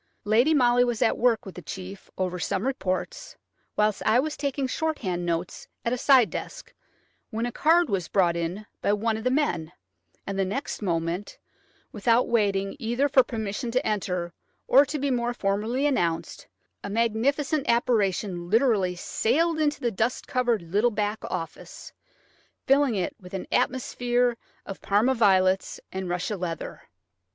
Lady Molly was at work with the chief over some reports, whilst I was taking shorthand notes at a side desk, when a card was brought in by one of the men, and the next moment, without waiting either for permission to enter or to be more formally announced, a magnificent apparition literally sailed into the dust covered little back office, filling it with an atmosphere of Parma violets and russia leather